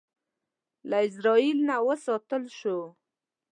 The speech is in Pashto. له ازرائیل نه وساتل شو.